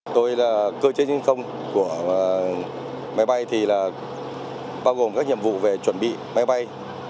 tôi là cơ chế trên không của máy bay thì là bao gồm các nhiệm vụ về chuẩn bị máy bay